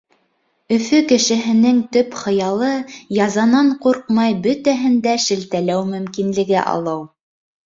Өфө кешеһенең төп хыялы — язанан ҡурҡмай бөтәһен дә шелтәләү мөмкинлеге алыу.